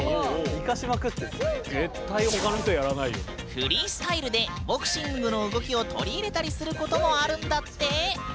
フリースタイルでボクシングの動きを取り入れたりすることもあるんだって！